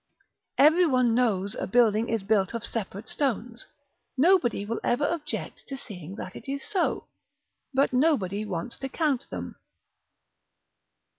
Every one knows a building is built of separate stones; nobody will ever object to seeing that it is so, but nobody wants to count them.